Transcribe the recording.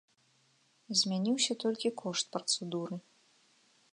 Змяніўся толькі кошт працэдуры.